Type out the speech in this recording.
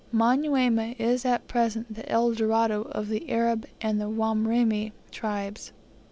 Manyuema is at present the El Dorado of the Arab and the Wamrima tribes.